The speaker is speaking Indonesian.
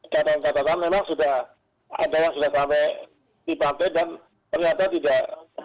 catatan catatan memang sudah ada yang sudah sampai di pantai dan ternyata tidak ada catatan